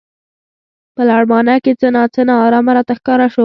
په لړمانه کې څه نا څه نا ارامه راته ښکاره شو.